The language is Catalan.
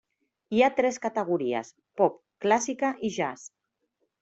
Hi ha tres categories: pop, clàssica i jazz.